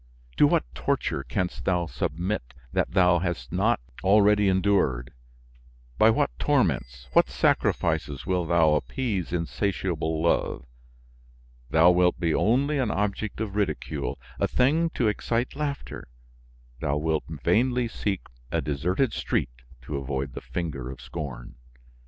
To what torture canst thou submit that thou hast not already endured? By what torments, what sacrifices, wilt thou appease insatiable love? Thou wilt be only an object of ridicule, a thing to excite laughter; thou wilt vainly seek a deserted street to avoid the finger of scorn.